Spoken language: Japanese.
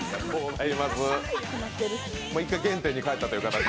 一回原点に返ったという形で。